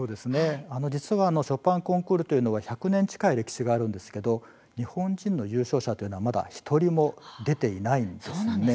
実はショパンコンクールは１００年近い歴史があるんですが日本人の優勝者はまだ１人も出ていないんです。